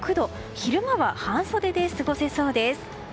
昼間は半袖で過ごせそうです。